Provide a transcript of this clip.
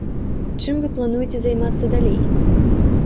Чым вы плануеце займацца далей?